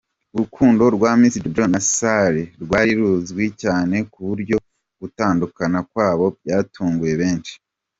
Urukundo rwa Miss Jojo na Saley rwari ruzwi cyane kuburyo gutandukana kwabo byatunguye benshi.